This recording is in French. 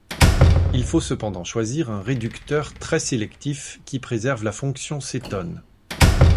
Il faut cependant choisir un réducteur très sélectif qui préserve la fonction cétone.